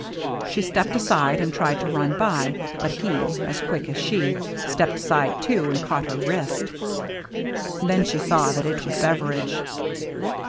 She stepped aside and tried to run by, but he, as quick as she, stepped aside too and caught her wrist. Then she saw that it was Beveridge.